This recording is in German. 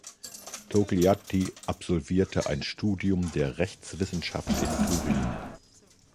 Togliatti absolvierte ein Studium der Rechtswissenschaft in Turin.